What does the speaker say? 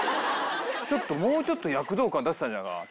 ちょっともうちょっと躍動感出せたんじゃないかな。